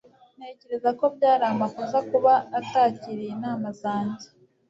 Ntekereza ko byari amakosa kuba atakiriye inama zanjye.